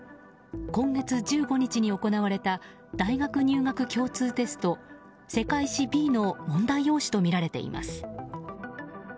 今月１５日に行われた大学入学共通テスト世界史Ｂの問題用紙とみられています。